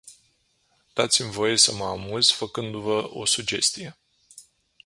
Dați-mi voie să mă amuz făcându-vă o sugestie.